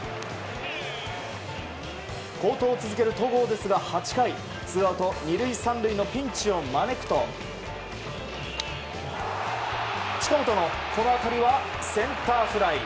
好投を続ける戸郷ですが８回ツーアウト２塁３塁のピンチを招くと近本のこの当たりはセンターフライ。